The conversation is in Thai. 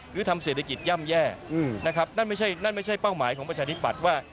หรือทำเศรษฐกิจย่ำแย่นั่นไม่ใช่เป้าหมายของประชานิทบัตรว่า